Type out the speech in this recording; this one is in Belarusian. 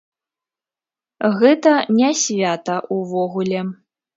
Гэта не свята ўвогуле.